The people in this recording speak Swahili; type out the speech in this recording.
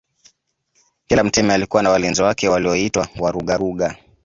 Kila mtemi alikuwa na walinzi wake walioitwa Warugaruga